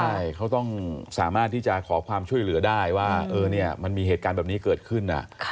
ใช่เขาต้องสามารถที่จะขอความช่วยเหลือได้ว่ามันมีเหตุการณ์แบบนี้เกิดขึ้น